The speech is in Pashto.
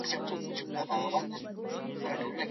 افغانستان د لمر لپاره ښه موقعیت لري.